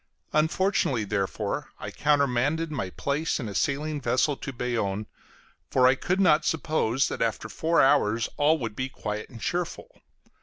Unfortunately, therefore, I countermanded my place in a sailing vessel to Bayonne, for I could not suppose that after four hours all would be quiet and cheerful.